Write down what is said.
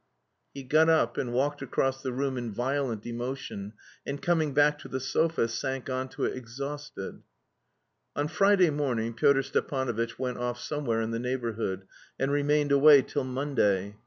He got up, and walked across the room in violent emotion, and coming back to the sofa sank on to it exhausted. On Friday morning, Pyotr Stepanovitch went off somewhere in the neighbourhood, and remained away till Monday.